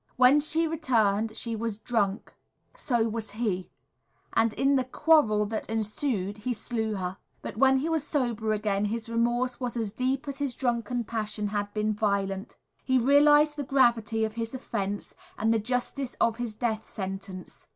When she returned she was drunk, so was he, and in the quarrel that ensued he slew her. But when he was sober again, his remorse was as deep as his drunken passion had been violent. He realised the gravity of his offence and the justice of his death sentence.